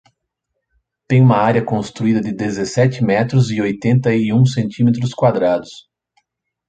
Tem uma área construída de dezessete metros e oitenta e um centímetros quadrados.